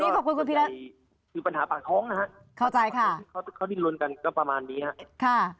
เป็นปัญหาปากท้องเข้าในร้นกันก็ประมาณนี้ค่ะ